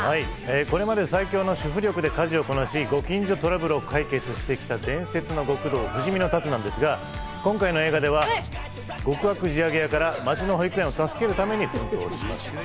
これまで最強の主夫力で家事をこなし、ご近所トラブルを解決してきた伝説の極道・不死身の龍なんですが、今回の映画では極悪地上げ屋から町の保育園を助けるために奮闘します。